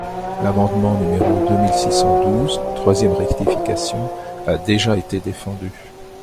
L’amendement numéro deux mille six cent douze, troisième rectification, a déjà été défendu.